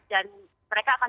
dan mereka akan